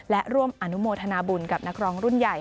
และร่วมอนุโมทนาบุญกับนักร้องรุ่นใหญ่